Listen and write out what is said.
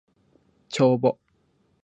帳簿